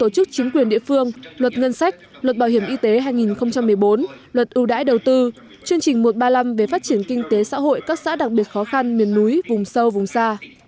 chức chính quyền địa phương luật ngân sách luật bảo hiểm y tế hai nghìn một mươi bốn luật ưu đãi đầu tư chương trình một trăm ba mươi năm về phát triển kinh tế xã hội các xã đặc biệt khó khăn miền núi vùng sâu vùng xa